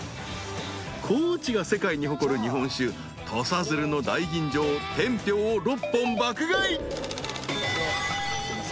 ［高知が世界に誇る日本酒土佐鶴の大吟醸天平を６本爆買い］